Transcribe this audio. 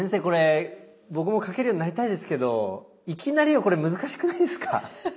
これ僕も描けるようになりたいですけどいきなりはこれ難しくないですか？